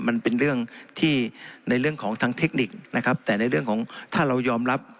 มันเป็นเรื่องที่ในเรื่องของทางเทคนิคนะครับแต่ในเรื่องของถ้าเรายอมรับ